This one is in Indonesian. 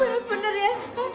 mau bener ya